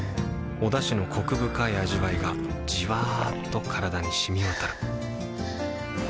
おだしのコク深い味わいがじわっと体に染み渡るはぁ。